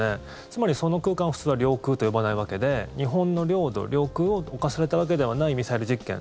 つまり、その空間を普通は領空と呼ばないわけで日本の領土、領空を侵されたわけではないミサイル実験。